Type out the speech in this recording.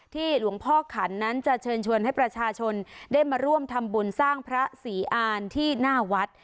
หลวงพ่อขันนั้นจะเชิญชวนให้ประชาชนได้มาร่วมทำบุญสร้างพระศรีอานที่หน้าวัด